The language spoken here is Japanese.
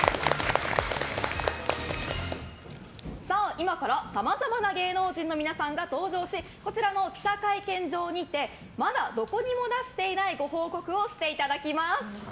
今から、さまざまな芸能人の皆さんが登場しこちらの記者会見場にてまだどこにも出していないご報告をしていただきます。